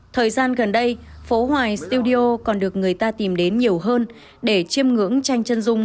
thời gian gần đây phố hoài studio còn được người ta tìm đến nhiều hơn để chiêm ngưỡng tranh chân dung